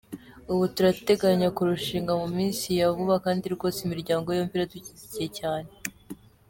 Ubu turateganya kurushinga mu minsi ya vuba kandi rwose imiryango yombi iradushyigikiye cyane.